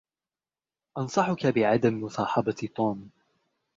أنصحك بعدم مصاحبة توم.